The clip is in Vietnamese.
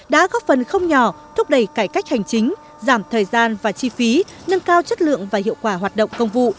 đã góp phần không nhỏ thúc đẩy cải cách hành chính giảm thời gian và chi phí nâng cao chất lượng và hiệu quả hoạt động công vụ